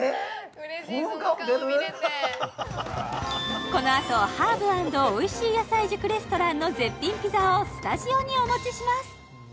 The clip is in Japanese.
うれしいその顔見れてこのあとハーブ＆おいしい野菜塾レストランの絶品ピザをスタジオにお持ちします